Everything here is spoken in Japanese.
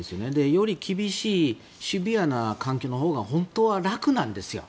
より厳しいシビアな環境のほうが本当は楽なんです。